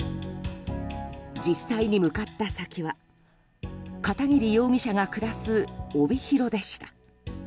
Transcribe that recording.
実際に向かった先は片桐容疑者が暮らす帯広でした。